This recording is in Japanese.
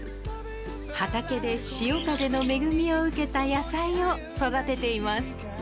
畑で潮風の恵みを受けた野菜を育てています